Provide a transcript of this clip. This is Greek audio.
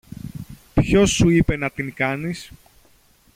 Ποιος σου είπε να την κάνεις;